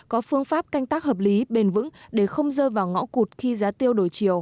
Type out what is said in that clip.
có phương pháp canh tác hợp lý bền vững để không rơi vào ngõ cụt khi giá tiêu đổi chiều